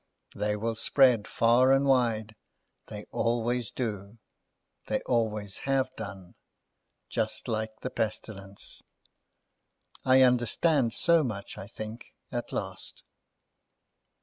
They will spread far and wide. They always do; they always have done—just like the pestilence. I understand so much, I think, at last."